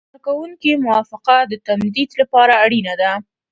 د کارکوونکي موافقه د تمدید لپاره اړینه ده.